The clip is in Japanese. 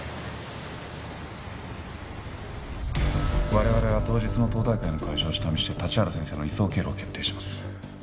我々は当日の党大会の会場を下見して立原先生の移送経路を決定します。